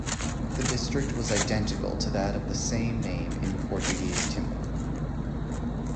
The district was identical to that of the same name in Portuguese Timor.